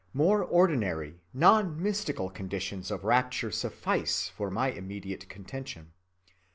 More ordinary non‐mystical conditions of rapture suffice for my immediate contention.